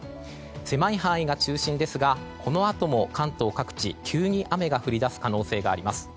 狭い範囲が中心ですがこのあとも関東各地急に雨が降り出す可能性があります。